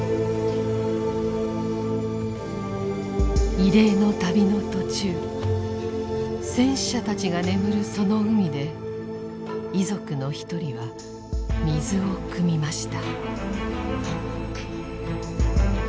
慰霊の旅の途中戦死者たちが眠るその海で遺族の一人は水をくみました。